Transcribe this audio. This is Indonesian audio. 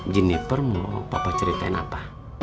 jenniper mau papa ceritain apa